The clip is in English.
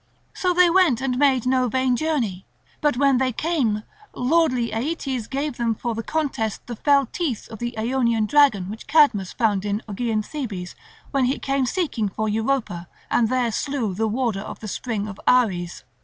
So they went and made no vain journey; but when they came, lordly Aeetes gave them for the contest the fell teeth of the Aonian dragon which Cadmus found in Ogygian Thebes when he came seeking for Europa and there slew the—warder of the spring of Ares.